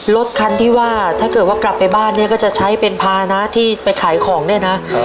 รถคันที่ว่าถ้าเกิดว่ากลับไปบ้านเนี่ยก็จะใช้เป็นภานะที่ไปขายของเนี่ยนะ